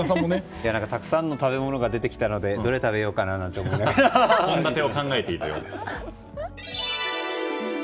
たくさんの食べ物が出ていたのでどれ食べようかななんて献立を考えていたようです。